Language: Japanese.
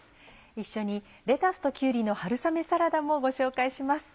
一緒に「レタスときゅうりの春雨サラダ」もご紹介します。